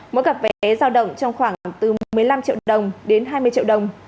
mỗi cặp vé giao động trong khoảng từ một mươi năm triệu đồng đến hai mươi triệu đồng